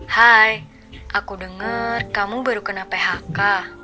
hai aku denger kamu baru kena phk